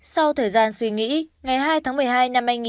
sau thời gian suy nghĩ ngày hai tháng một mươi hai